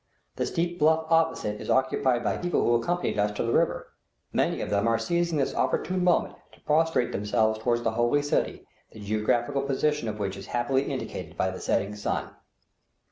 The steep bluff opposite is occupied by people who accompanied us to the river. Many of them are seizing this opportune moment to prostrate themselves toward the Holy City, the geographical position of which is happily indicated by the setting sun.